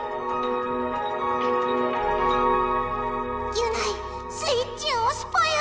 ギュナイスイッチをおすぽよ！